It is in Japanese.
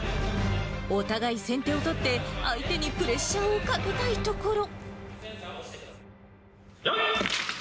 お互い先手を取って、相手にプレッシャーをかけたいところ。